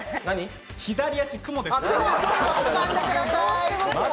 左足雲です。